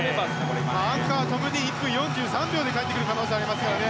アンカー、ともに１分４３秒で帰ってくる可能性がありますからね。